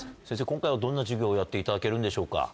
今回はどんな授業をやっていただけるんでしょうか？